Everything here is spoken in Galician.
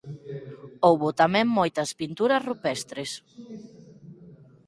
Houbo tamén moitas pinturas rupestres.